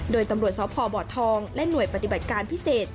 โดยตำรวจสพบทองและหน่วยปฏิบัติการพิเศษ